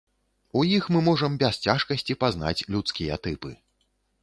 У іх мы можам без цяжкасці пазнаць людскія тыпы.